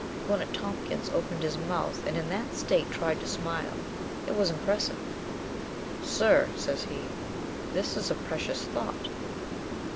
Cornet Tompkins opened his mouth, and in that state tried to smile. It was impressive. "Sir," says he, "this is a precious thought."